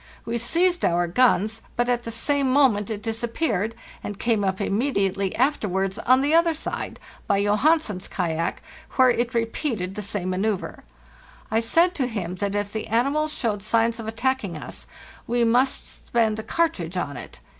We seized our guns, but at the same moment it disappeared, and came up immediately afterwards on the other side, by Johansen's kayak, where it repeated the same manceuvre. I said to him that if the animal showed signs of attacking us we must spend a cartridge on it.